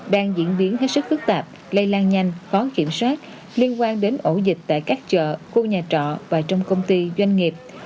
đang diễn biến hết sức phức tạp lây lan nhanh khó kiểm soát liên quan đến ổ dịch tại các chợ khu nhà trọ và trong công ty doanh nghiệp